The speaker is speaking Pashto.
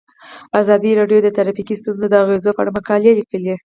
ازادي راډیو د ټرافیکي ستونزې د اغیزو په اړه مقالو لیکلي.